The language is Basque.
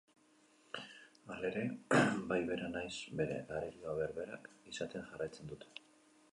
Halere, bai bera nahiz bere arerioa berberak izaten jarraitzen dute.